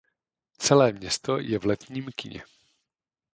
Celé město je v letním kině.